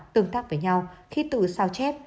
tương tác với nhau khi từ sao chép